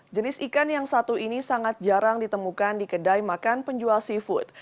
jenis ikan yang satu ini sangat jarang ditemukan di kedai makan penjual seafood